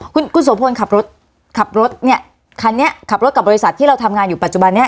คุณคุณโสพลขับรถขับรถเนี่ยคันนี้ขับรถกับบริษัทที่เราทำงานอยู่ปัจจุบันนี้